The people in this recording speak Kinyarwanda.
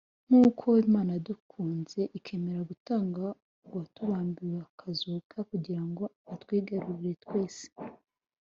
nk’uko Imana yadukunze ikemera gutanga uwatubambiwe akazuka kugira ngo atwigarurire twese